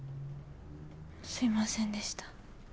すみませんでした。